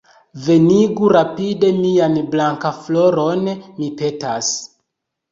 Venigu rapide mian Blankafloron, mi petas.